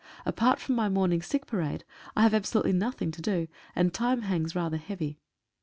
Apart from my morning sick parade I have absolutely nothing to do, and time hangs rather heavy.